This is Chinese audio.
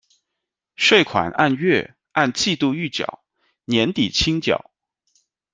税款按月、按季度预缴，年底清缴。